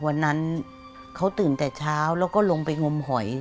วันนั้นเขาตื่นแต่เช้าแล้วก็ลงไปงมหอย